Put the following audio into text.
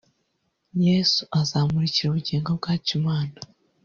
Yesu azamurikira ubugingo bwacu Imana